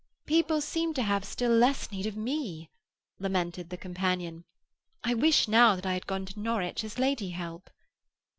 "People seem to have still less need of me," lamented the companion. "I wish now that I had gone to Norwich as lady help."